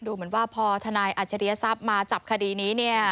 ดูเหมือนว่าพอทนายอัจฉริยทรัพย์มาจับคดีนี้เนี่ย